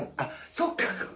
そっか！